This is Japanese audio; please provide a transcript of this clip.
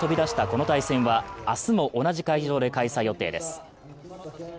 この対戦は明日も同じ会場で開催予定です。